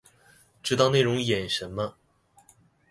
知道內容演什麼